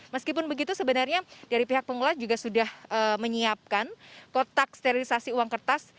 meskipun begitu sebenarnya dari pihak pengelola juga sudah menyiapkan kotak sterilisasi uang kertas